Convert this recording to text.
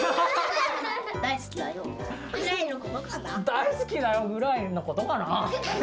大好きだよぐらいのことかな。